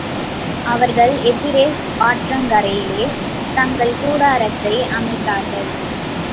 அவர்கள் எபிரேட்ஸ் ஆற்றங்கரையிலே தங்கள் கூடாரத்தை அமைத்தார்கள்.